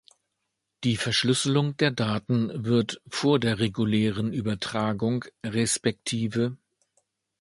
Die Verschlüsselung der Daten wird vor der regulären Übertragung resp.